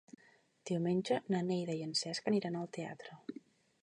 Diumenge na Neida i en Cesc aniran al teatre.